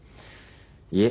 いえ